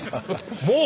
もう？